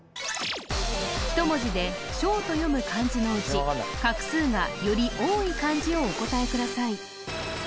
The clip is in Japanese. １文字で「ショウ」と読む漢字のうち画数がより多い漢字をお答えください